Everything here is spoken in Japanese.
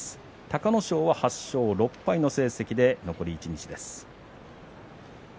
隆の勝は８勝６敗の成績で残り一日です。